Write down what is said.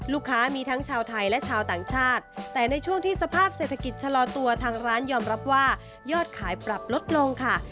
ลูกค้ามีทั้งชาวไทยและชาวต่างชาติแต่ในช่วงที่สภาพเศรษฐกิจชะลอตัวทางร้านยอมรับว่ายอดขายปรับลดลงค่ะ